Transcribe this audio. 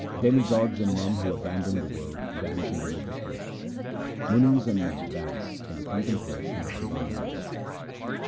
Demigods and men who abandon the world dance in religious works ; Munis and men dance in the contem plation of divine knowledge.